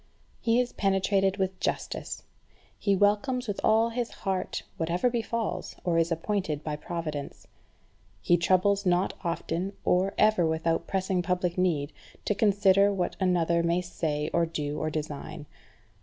He is penetrated with justice; he welcomes with all his heart whatever befalls, or is appointed by Providence. He troubles not often, or ever without pressing public need, to consider what another may say, or do, or design.